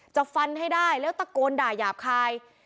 จะฟันให้ได้แล้วตะโกนด่าหยาบคาย